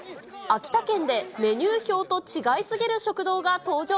秋田県でメニュー表と違いすぎる食堂が登場。